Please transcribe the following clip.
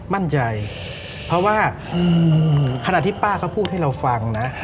มั่นใจเพราะว่าขณะที่ป้าเขาพูดให้เราฟังนะ